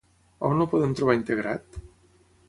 On el podem trobar integrat?